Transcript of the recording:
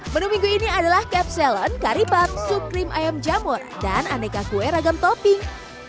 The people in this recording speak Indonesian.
menu minggu ini adalah capsellon curry bubb sup krim ayam jamur dan aneka kue ragam topping